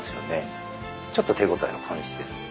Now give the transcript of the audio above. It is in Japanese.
ちょっと手応えを感じてる。